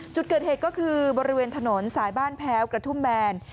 จุดเกิดเหตุก็คือบริเวณถนนสายบ้านแพ้วกระทุ่มแบน